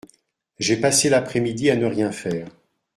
J’ai passé l’après-midi à ne rien faire.